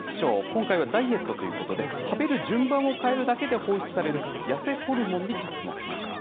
今回はダイエットということで、食べる順番を変えるだけで放出されるやせホルモンに着目しました。